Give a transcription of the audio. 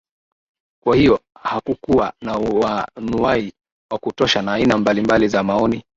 Kwa hiyo hakukuwa na uanuwai wa kutosha na aina mbalimbali za maoni